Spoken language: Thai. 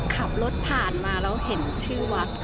ขับรถผ่านมาแล้วเห็นชื่อวัด